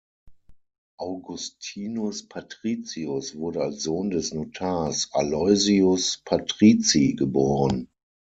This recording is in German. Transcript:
Augustinus Patricius wurde als Sohn des Notars Aloysius Patrizi geboren.